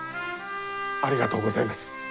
ありがとうございます。